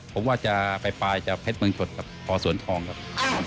ผมว่าจะไปปลายจากเพชรเมืองชนกับพอสวนทองครับ